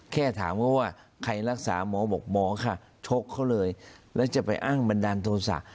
แค่ถามเขาว่าใครรักษาหมอบอกหมอค่ะชกเขาเลยแล้วจะไปอ้างบันดาลโทษะ